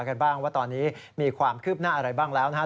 กันบ้างว่าตอนนี้มีความคืบหน้าอะไรบ้างแล้วนะครับ